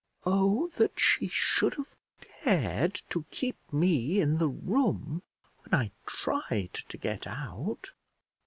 "Oh that she should have dared to keep me in the room when I tried to get out!"